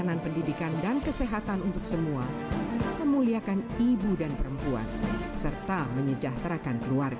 dan mudah mudahan itu bisa kita capai